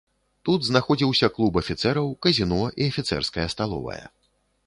Тут знаходзіўся клуб афіцэраў, казіно і афіцэрская сталовая.